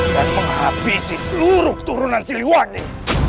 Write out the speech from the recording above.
dan menghabisi seluruh turunan siliwane